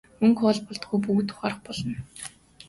Мөнгө хоол болдоггүйг бүгд ухаарах болно.